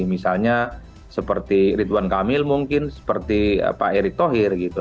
misalnya seperti ridwan kamil mungkin seperti pak erick thohir gitu